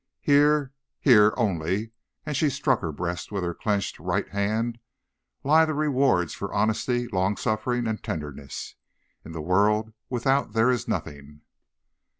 Here, here, only,' and she struck her breast with her clenched right hand, 'lie the rewards for honesty, long suffering, and tenderness. In the world without there is nothing.'